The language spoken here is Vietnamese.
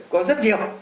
có rất nhiều